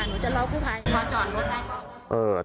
หนูจะรอผู้ภัย